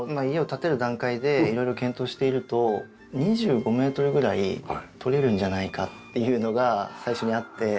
家を建てる段階で色々検討していると２５メートルぐらい取れるんじゃないかっていうのが最初にあって。